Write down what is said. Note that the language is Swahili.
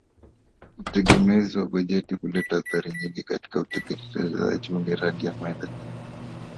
Utegemezi wa bajeti huleta athari nyingi katika utekelezaji wa miradi ya maendeleo